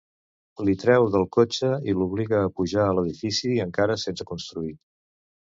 Li treu del cotxe i l'obliga a pujar a l'edifici encara sense construir.